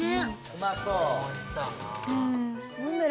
うまそう